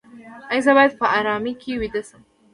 ایا زه باید په ارام کې ویده شم؟